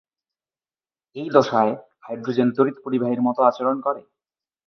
এই দশায়, হাইড্রোজেন তড়িৎ পরিবাহীর মত আচরণ করে।